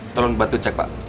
tolong bantu cek pak